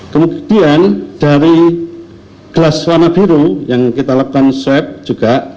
kemudian dari gelas warna biru yang kita lakukan swab juga